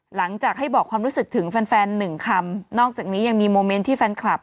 หลังจากให้บอกความรู้สึกถึงแฟนแฟนหนึ่งคำนอกจากนี้ยังมีโมเมนต์ที่แฟนคลับ